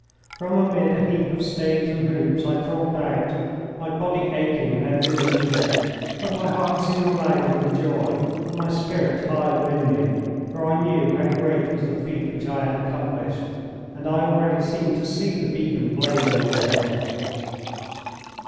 From amid a heap of staves and hoops I crawled out, my body aching in every inch of it, but my heart singing loudly with joy and my spirit high within me, for I knew how great was the feat which I had accomplished, and I already seemed to see the beacon blazing on the hill.